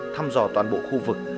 thăm dò toàn bộ khu vực